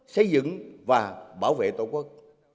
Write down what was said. xây dựng và bảo vệ tổ quốc